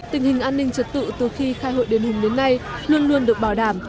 tình hình an ninh trật tự từ khi khai hội đền hùng đến nay luôn luôn được bảo đảm